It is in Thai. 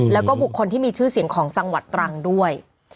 แล้วก็บุคคลที่มีชื่อเสียงของจังหวัดตรังด้วย